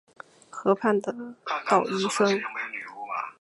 河畔的捣衣声